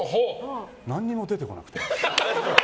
何にも出てこなくて。